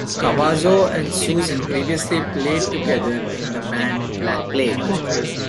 Cavazo and Soussan previously played together in the band Black Plague.